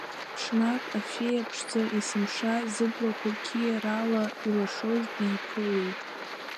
Ҽнак Афеиа ԥшӡа, есымша зыблақәа қьиарала илашоз диԥылеит.